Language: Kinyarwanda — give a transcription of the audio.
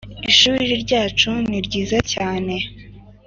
ishuri ryacu ni ryiza cyane.